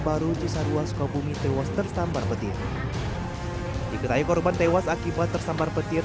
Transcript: baru cisarua sukabumi tewas tersambar petir digerai korban tewas akibat tersambar petir